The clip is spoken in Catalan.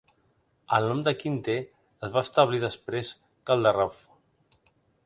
El nom de Quinter es va establir, després que el Rev.